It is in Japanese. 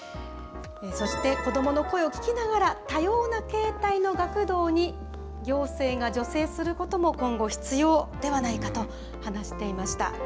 そして子どもの声を聞きながら、多様な形態の学童に、行政が助成することも今後、必要ではないかと話していました。